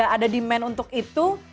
ada demand untuk itu